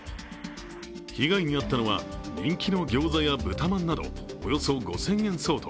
被害に遭ったのは、人気のギョーザや豚まんなどおよそ５０００円相当。